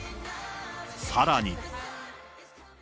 さらに。